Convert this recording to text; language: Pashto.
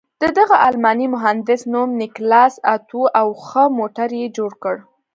د دغه الماني مهندس نوم نیکلاس اتو و او ښه موټر یې جوړ کړ.